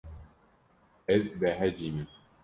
Ez behecî me.